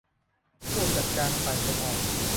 ผู้จัดการฝ่ายส่งออก